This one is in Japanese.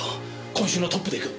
今週のトップでいく！